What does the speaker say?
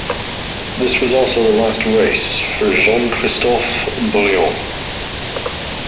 This was also the last race for Jean-Christophe Boullion.